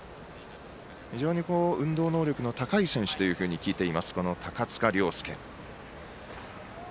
非常に運動能力の高い選手というふうに聞いています、この高塚涼丞。